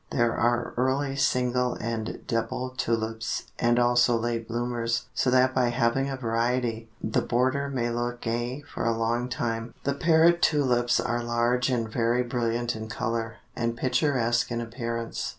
There are early single and double Tulips, and also late bloomers, so that by having a variety, the border may look gay for a long time. The Parrot Tulips are large and very brilliant in color, and picturesque in appearance.